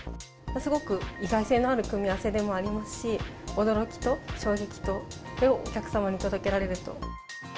すごく意外性のある組み合わせでもありますし、驚きと衝撃をお客様に届けられると。